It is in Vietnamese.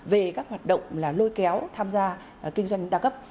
về các hoạt động lôi kéo tham gia kinh doanh đa cấp